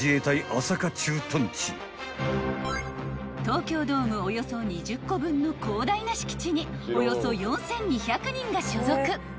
［東京ドームおよそ２０個分の広大な敷地におよそ４，２００人が所属］